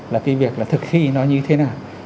là cái việc là thực thi nó như thế nào